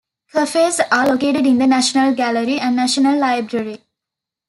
Cafes are located in the National Gallery and National Library.